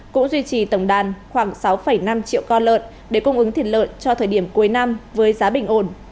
cũng duy trì tổng đàn khoảng sáu năm triệu con lợn để cung ứng thịt lợn cho thời điểm cuối năm với giá bình ổn